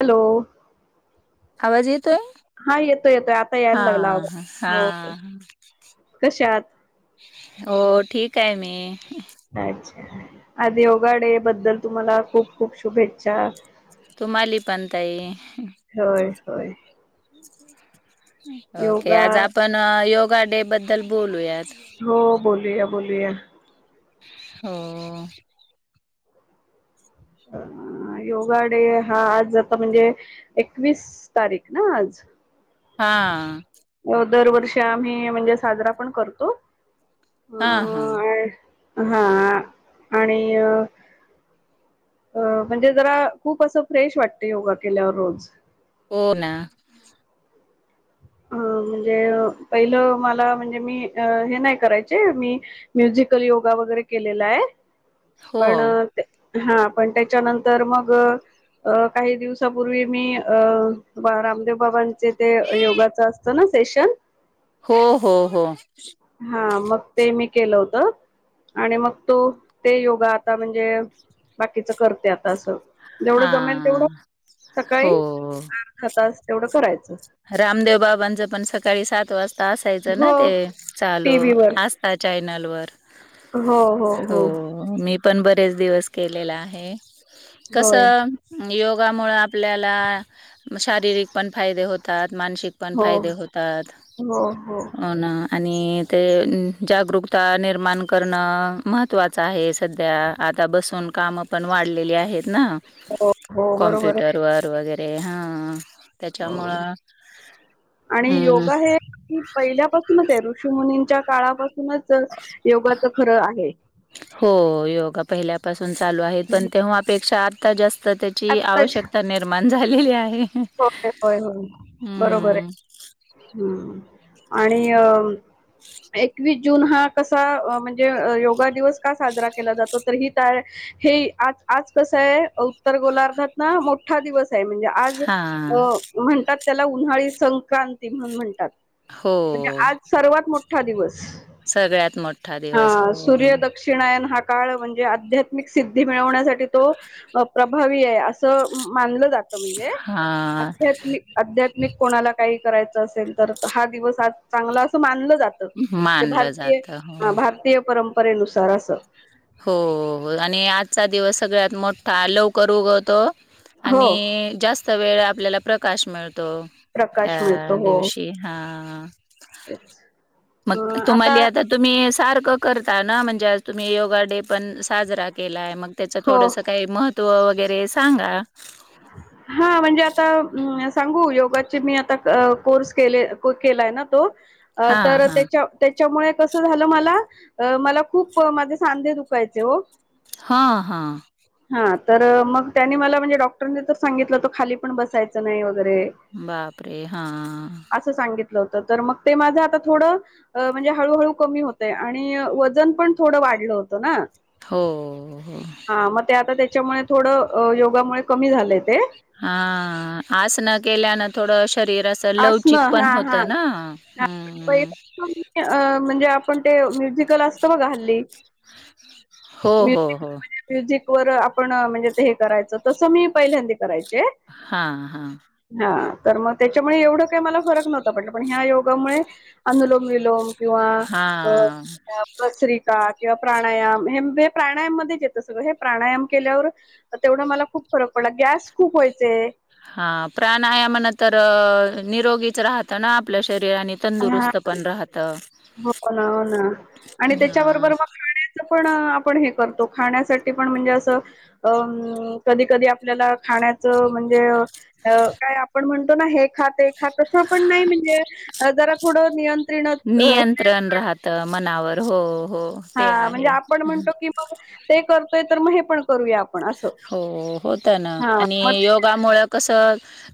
Hello. आवाज येतोय? हा येतोय येतोय आता यायला हा लागला आवा. हा हो. हो. हा कशा आत? हो. ठीक आहे मी. अच्छा! आदी योगाडे बद्दल तुम्हाला खूप खूप शुभेच्छा. तुम्हाली पणताई. होय होय. ओके. योगा आज आपण योगा डे बद्दल बोलूयात‌. हो. बोलूया. बोलूया. हो‌. योगा डे हा आज ज म्हणजे एकवीस तारीख ना आज. हां. दरवर्षी आम्ही म्हणजे साजरा पण करतो. हां हां. हां आणि अ म्हणजे जरा खूप असं फ्रेश वाटतंय योगा केल्यावर रोज. हो ना. अ म्हणजे पहिलं मला म्हणजे मी हे नाही करायचे मी म्युझिकल योगा वगैरे केलेला आहे हो पण हां पण त्याच्यानंतर मग अ काही दिवसापूर्वी मी अ रामदेव बाबांचे ते योगा च असतो ना सेशन हो हो हो. हां मग ते मी केलं होतं. आणि मग तो, ते योगा आता म्हणजे बाकीचं करते आता असं. जेवढं हा जमेल तेवढं हो सकाळी अर्धा तास तेवढं करायचं. रामदेव बाबांचं पण सकाळी सात वाजता असायचं ना हो ते टी चालू व्ही वर आस स्था चॅनलवर हो हो हो. मी पण बरेच दिवस केलेला आहे. होय कसं योगामुळे आपल्याला शारीरिक पण फायदे होतात मानसिक पण हो, फायदे होतात हो, हो, अन आणि ते जागरूकता निर्माण करणं महत्त्वाचं आहे. सध्या आता बसून काम पण वाढलेली आहेत ना हो, हो, बरोबर आहे. कॉम्प्युटर वर वगैरे हां हो त्याच्यामुळं आणि हम्म योगा हे पहिल्यापासूनच आहे ऋषीमुनींच्या काळापासूनच योगाचं खरं आहे. हो योगा पहिल्यापासून चालू आहे पण तेव्हापेक्षा आता जास्त त्या ची आत्ताच आवश्यकता निर्माण झालेली आहे. होय होय होय बरोबर आहे. [inaudible] हम्म आणि अ एकवीस जून हा कसा म्हणजे योगा दिवस का साजरा केला जातो तर ही त्या हे आज आज कसं आहे उत्तर गोलार्धात ना मोठा दिवस आहे म्हणजे आज हा म्हणतात अ त्याला उन्हाळी संक्रांत. ते म्हणून म्हणतात म्हणजे हो आज सर्वात मोठा दिवस. सगळ्यात मोठा दिवस हा होय. [unintelligible] हा काळ म्हणजे आध्यात्मिक सिद्धी मिळवण्यासाठी तो अ प्रभावी आहे असं मानलं जातं. म्हणजे हा आध्यात्मिक आध्यात्मिक कोणाला काही करायचा असेल तर हा दिवस चांगला असं मानलं जातं. त. म्हणजे मानलं भारतीय जात हो हां भारतीय परंपरेनुसार असं. हो आणि आजचा दिवस सगळ्यात मोठा लवकर उगवतो हो आणि जास्त वेळ आपल्याला प्रकाश मिळतो प्रकाश ह्या मिळतो हो दिवश शी हां तेच मग तुम्हाला आता तुम्ही सारखं करता ना म्हणजे आज तुम्ही योगा डे पण साजरा केलाय मग त्याच हो थोडसं काही महत्व वगैरे सांगा हा म्हणजे आता सांगू योगाचे मी आता कोर्स केले केलाय ना तो हा तर हा त्याच्या त्याच्यामुळे कस झालं मला मला खूप माझे सांधे दुखायचे ओ हा हा हा तर मग त्यानी मला म्हणजे डॉक्टरनी तर सांगितलं होतं खाली पण बसायचं नाही वगैरे बापरे हा असं सांगितलं होत तर मग ते माझं आता थोडं अ म्हणजे हळूहळू कमी होते आणि वजन पण थोडं वाढलं होतं ना हो हो हा मग ते आता त्याच्यामुळे थोडं योगामुळे कमी झालंय ते हा आसन केल्यान थोडं शरीर अस तर आसन लवचिक पण हा हा होतं ना हा म्हणजे आपण ते म्युझिकल असतं बघा हल्ली हो हो म्युझिक हो म्युझिक वर आपण म्हणजे ते हे करायचं तसं मी पहिल्यांदी करायचे. हा हा हा तर मग त्या त्याच्यामुळे एवढं काही मला फरक नव्हता पडला पण ह्या योगामुळे अनुलोम विलोम किंवा अ हां, बसरिका किंवा प्राणायाम हे हे प्राणायाम मध्येच येतं सगळं हे प्राणायाम केल्यावर तेवढं मला खूप फरक पडला गॅस खूप व्हायचे हा प्राणायामन तर निरोगीच राहत ना आपल शरीर आणि हा तंदुरुस्त पण राहतं. हो ना हो ना आणि हां, त्याच्याबरोबर मग खाण्यात पण आपण हे करतो खाण्यासाठी पण म्हणजे असं अं कधी कधी आपल्याला खाण्याचं म्हणजे अ अ काय आपण म्हणतो ना हे खाते हा तस पण नाही म्हणजे जरा थोडं नियंत्रण नियंत्रण राहत मनावर हो हो. ते हा म्हणजे आहे. आपण म्हणतो की मग ते करतोय तर मग हे पण करूया आपण अस हो होत ना आणि ते योग गा मुळ कस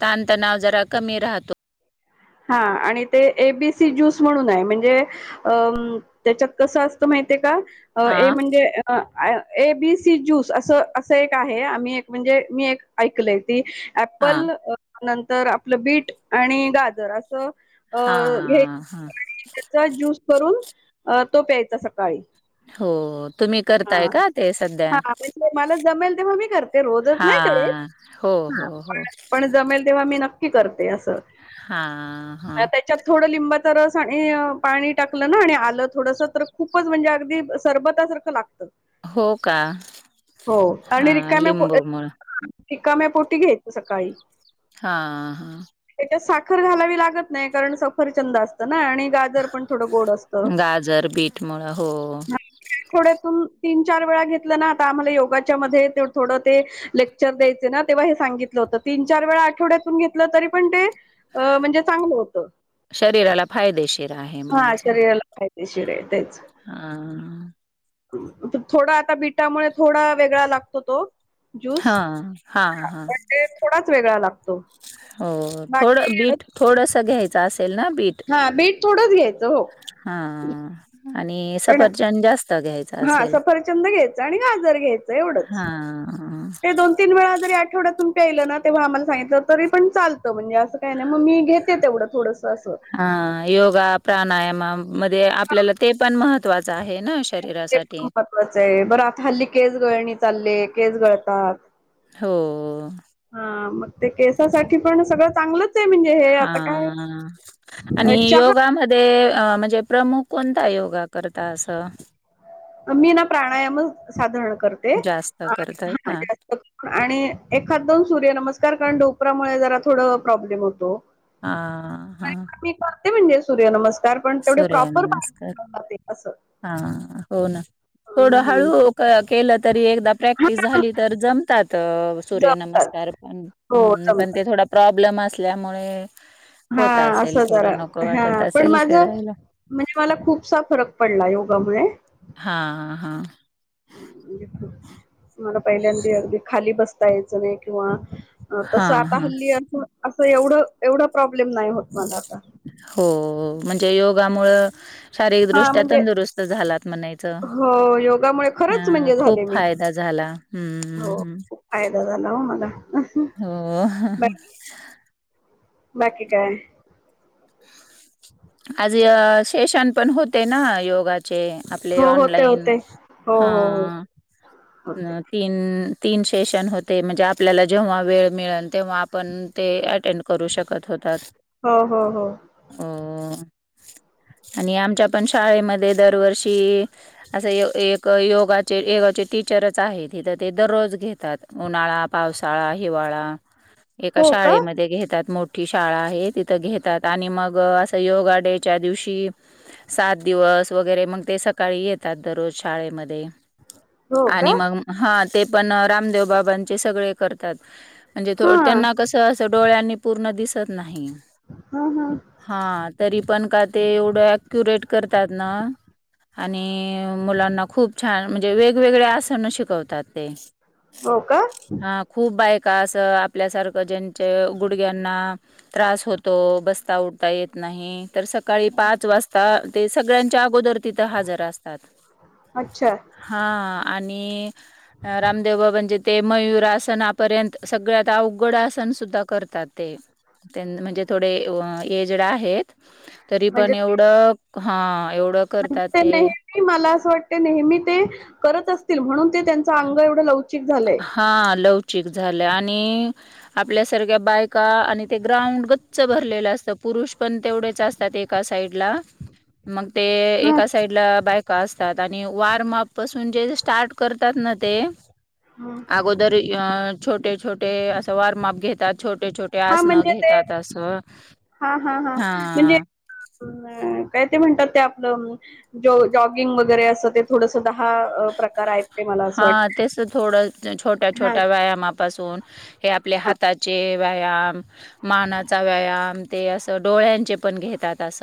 ताणतणाव जरा कमी राहतो. हा आणि ते एबीसी ज्यूस म्हणून आहे म्हणजे अ त्याच्यात कसं असतं माहिती ये का ए हां, म्हणजे अ ए बी सी ज्यूस असं असं एक आहे आम्ही एक म्हणजे मी एक ऐकलय ते हां, ऍपल नंतर आपलं बीट आणि गाजर असं अ हां, हां. आणि त्याच ज्यस करून अ तो प्यायचा सकाळी हो तुम्ही हा करताय का ते हा सध्या म्हणजे मला जमेल तेव्हा मी कर ते रोजच नाही करत हां. हो, हो, हा हो. पण जमेल तेव्हा मी नक्की करते असं हा हा त्याच्यात थोडं लिंबात रस आणि पाणी टाकलं ना आणि आलं थोडस तर खूपच म्हणजे अगदी सरबतासारखं लागतं. हो का? हो आणि हां, रिकाम्या पोटी लिंबूमुळं. रिकाम्या पोटी घ्यायच सकाळी. हां हां. तेच्यात साखर घालावी लागत नाही कारण सफरचंद असतं ना आणि गाजर पण थोड गोड असत गाजर, बीटमुळं हो. थोडे तीन चार वेळा घेतलं ना आता आम्हाला योगाच्या मध्ये थोडं ते लेक्चर द्यायचे ना तेव्हा हे सांगितलं होतं तीन चार वेळा आठवड्यातून घेतलं तरी पण ते अ म्हणजे चांगलं होत, शरीराला फायदेशीर आहे हा म्हणायचं. शरीराला पाहि तेच. हां. थोडा आता बिटामुळे थोडा वेगळा लागतो तो ज्यूस, हां, हां, हां. पण ते थोडाच वेगळा लागतो. हो थोड बाकी बीट थोडस घ्यायचं असेल ना बीट? हा बीट थोडंच घ्यायचं हो. हां. आणि पण सफरचंद जास्त घ्यायच हा असेल? सफरचंद घ्यायचं आणि गाजर घ्यायचं एवढंच हां. ते दोन तीन वेळा जरी आठवड्यातून प्यायलं ना तेव्हा आम्हाला सांगितलं तरी पण चालत म्हणजें काय नाही मग मी घेत ते तेवढं थोडस असं. हां, योगा, प्राणायाम मध्ये आपल्याला ते पण महत्त्वाचं आहे ना शरीरासाठी. तच ये, बरं आता हल्ली केस गळणी चालले केस गळतात हो. हा मग ते केसासाठी पण सगळं चांगलं हा आणि काय चहा योगामध्ये ते म्हणजे प्रमुख कोणता योगा करता असं? मी ना प्राणायामच साधारण करते जास्त करताय का? [unintelligible] आणि एखाद दोन सूर्यनमस्कार कारण डोपरामुळे जरा थोडं प्रॉब्लेम होतो. हां हां. मी करते म्हणजे सूर्यनमस्कार पण तेवढे प्रॉपर पा जाते असं. हा हो ना, हम्म थोडं हळू हम्म केलं तरी एकदा प्रॅक्टिस हा झाली तर जमतात सूर्य जमतात नमस्कार, पण हो हम पण ते जमतात थोडा प्रॉब्लेम असल्यामुळे हा होत असेल असं जरा थोडं नको हा वाटत पण असेल माझ करायला. म्हणजे मला खूपसा फरक पडला योगामुळे. हां हां. मला पहिल्यांदा अगदी खाली बसता यायचं नाही किंवा अ तसं हां, आता हां. हल्ली अस असं एवढं एवढा प्रॉब्लेम नाही होत मला आता हो, म्हणजे योगामुळ शारीरिक हा दृष्ट्या म्हणजे तंदुरुस्त झालात म्हणायचं हो योगामुळे खरंच म्हणजे खूप झाले मी फायदा झाला. हं, हो हं. खूप फायदा झाला हो मला, हो. पण बाकी काय? आज सेशन पण होते ना योगा चे आपले हो होते ऑनलाईन होते हो हो हो हं होते तीन तीन सेशन होते म्हणजे आपल्याला जेव्हा वेळ मिळेल तेव्हा आपण ते अटेंड करू शकत होतात. हो हो हो, हो आणि आमच्या पण शाळेमध्ये दरवर्षी, असं एक योगाचे योगाचे टीचरच आहेत इथे ते दररोज घेतात, उन्हाळा पावसाळा हिवाळा, [unintelligible] एका का शाळेमध्ये घेतात मोठी शाळा आहे तिथं घेतात आणि मग अस योगा डेच्या दिवशी सात दिवस वगैरे मग ते सकाळी येत दररोज शाळेमध्ये हो आणि का मग, हा ते पण रामदेव बाबांचे सगळे करतात म्हणजे थो हा त्यांना कसं तर डोळ्यांनी पूर्ण दिसत नाही, हा हा, हा तरी पण का ते एवढं अक्युरेट करतात ना, आणि मुलांना खूप छान म्हणजे वेगवेगळे आसन शिकवतात ते, हो का, हा खूप बायका असं आपल्यासारखं ज्यांचे गुडघ्यांना, त्रास होतो बसता उडता येत, नाही तर सकाळी पाच वाजता ते सगळ्यांच्या अगोदर तिथं हजर असतात अच्छा हा आणि, रामदेव म्हणजे ते मयुरअसणापर्यंत सगळ्यात अवघड आासन सुद्धा करतात ते, म्हणजे थोडे जे आहेत तरी पण म्हणजे एवढ हा एवढ करतात म्हणजे ते, नेहमी मला असं वाटते नेहमी ते करत असतील म्हणून ते त्यांच अंग एवढं लवचिक झालंय. हा लवचिक झालं आणि आपल्यासारख्या बायका आणि ते ग्राउंड गच्च भरलेलं असतं पुरुष पण तेवढेच असतात एक, एका साईड ला मग ते ह एका साईड आपल्या बायका असतात आणि वॉर्मअप पासून जे स्टार्ट करतात ना ते अगोदर छोटे छोटे असं वॉर्मअप घेतात छोटे छोटे ते हा आसन म्हणजे ते घेतात असं हा, काय ते म्हणतात ते आपल, ज जॉगिंग वगैरे असं ते थोडस दहा प्रकार आहेत ते मला असं हा वाटत तेच थोड छोट्या हा छोट्या व्यायामा पाासून, हे आपल्या हा हाताचे व्यायाम मानाचा व्यायाम ते असं डोळ्यांचे पण घेतात अस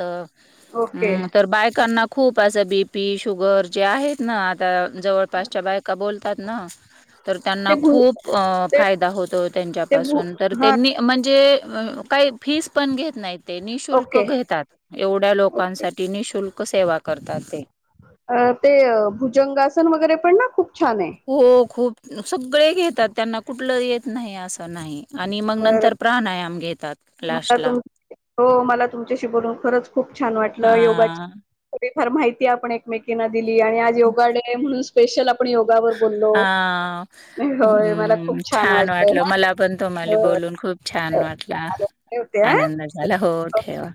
ओके हम्म तर बायकांना पण, खूप असं बीपी शुगर जे आहेत ना आता जवळपासच्या बायका बोलतात ना, तर त्यांना ते भू खूप ते फायदा होतो ते भू त्यांच्यापासून तर हा त्यांनी, म्हणजे काही फीस पण घेत नाही ते निशुल्क ओके घेतात. एवढ्या ओके लोकांसाठी निशुल्क सेवा करतात ते, ते भुजंगासन वगैरे पण ना खूप छान आहे. हो खूप सगळे घेतात त्यांना कुठलं येत नाही असं नाही आणि मग अ नंतर, प्राणायाम घेतात, मला लास्टला. तुम हो मला तुमच्याशी बोलून खरंच खूप छान वाटलं योगाची हां, थोडी फार माहिती आपण एकमेकींना दिली आणि आज योगा डे म्हणून, स्पेशल आपण योगावर बोललो हां. होय मला हं, खूप छान वाटलं. वाटलंय, मला पण तोम्हाला बोलून खूप छान वाटला ठेवते आनंद झाला हो ह ठेवा.